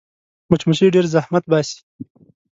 مچمچۍ ډېر زحمت باسي